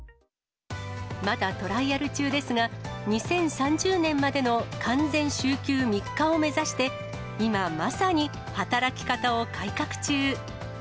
まだトライアル中ですが、２０３０年までの完全週休３日を目指して、今まさに働き方を改革中。